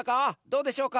どうでしょうか？